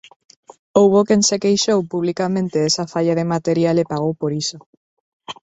Houbo quen se queixou publicamente desa falla de material e pagou por iso.